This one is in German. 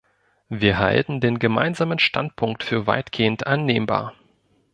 Wir halten den Gemeinsamen Standpunkt für weitgehend annehmbar.